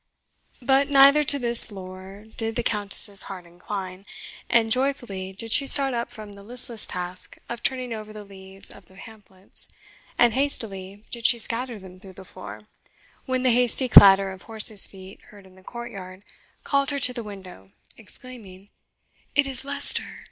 But neither to this lore did the Countess's heart incline, and joyfully did she start up from the listless task of turning over the leaves of the pamphlets, and hastily did she scatter them through the floor, when the hasty clatter of horses' feet, heard in the courtyard, called her to the window, exclaiming, "It is Leicester!